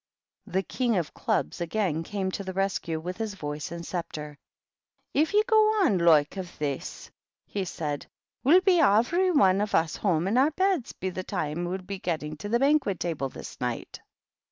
The King of Clubs again came to the rescue with his voice and sceptre. "If ye go on the loike of this," he said, " we'll be ivery wan of us home in our beds be the time we'll be getting to 262 THE GREAT OCCASION. the banquet table this night."